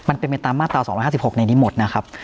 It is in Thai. มันเป็นไปตามมาตราสองห้าสิบหกในนี้หมดนะครับ